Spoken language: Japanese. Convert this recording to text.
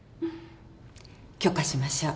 許可しましょう。